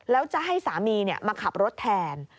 แล้วจะให้สามีมาขับรถแทน